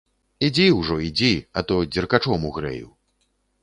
Ідзі ўжо, ідзі, а то дзеркачом угрэю.